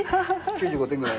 ９５点ぐらい。